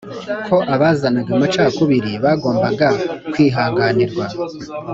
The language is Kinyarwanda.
Ko abazanaga amacakubiri bagombaga kwihanganirwa